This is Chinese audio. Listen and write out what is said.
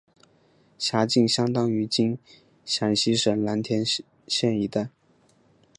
辖境相当今陕西省蓝田县一带。